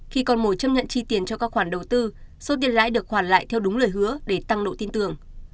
khi con mồi chấp nhận chi tiền cho các khoản đầu tư số tiền lãi được hoàn lại theo đúng lời hứa để tăng độ tin tưởng